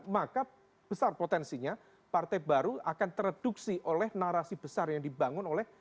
maka besar potensinya partai baru akan tereduksi oleh narasi besar yang dibangun oleh